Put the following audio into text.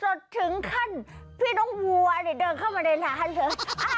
จนถึงขั้นพี่น้องวัวเนี่ยเดินเข้ามาในร้านเลย